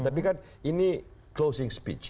tapi kan ini closing speech